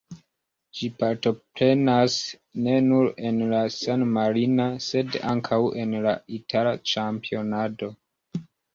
Ĝi partoprenas ne nur en la san-marina, sed ankaŭ en la itala ĉampionado.